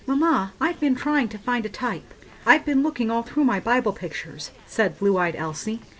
"MAMMA, I've been trying to find a type; I've been looking all through my Bible pictures," said blue eyed Elsie.